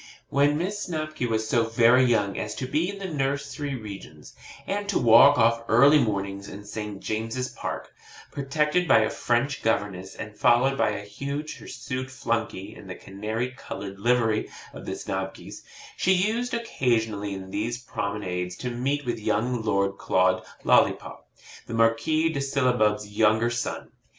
When Miss Snobky was so very young as to be in the nursery regions, and to walk off early mornings in St. James's Park, protected by a French governess and followed by a huge hirsute flunkey in the canary coloured livery of the Snobkys, she used occasionally in these promenades to meet with young Lord Claude Lollipop, the Marquis of Sillabub's younger son.